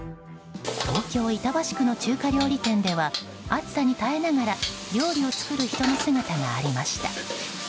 東京・板橋区の中華料理店では暑さに耐えながら料理を作る人の姿がありました。